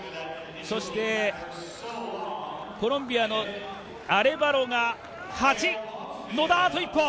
そしてコロンビアのアレバロが８位野田、あと一歩。